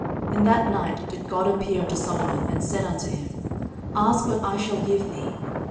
14:001:007 In that night did God appear unto Solomon, and said unto him, Ask what I shall give thee.